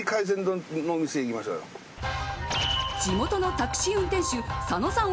地元のタクシー運転手佐野さん